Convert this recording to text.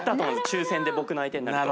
抽選で僕の相手になると。